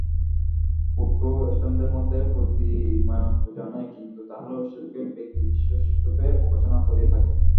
প্রোটেষ্ট্যাণ্টদের মধ্যে প্রতিমাপূজা নাই, কিন্তু তাহারাও ঈশ্বরকে ব্যক্তিবিশেষরূপে উপাসনা করিয়া থাকে।